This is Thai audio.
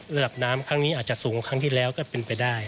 ระดับน้ำครั้งนี้อาจจะสูงกว่าครั้งที่แล้วก็เป็นไปได้